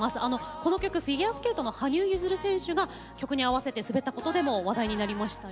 この曲はフィギュアスケートの羽生結弦選手が曲に合わせて滑ったことでも話題になりました。